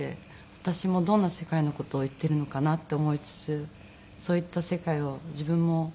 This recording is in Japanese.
私もどんな世界の事を言ってるのかなって思いつつそういった世界を自分も。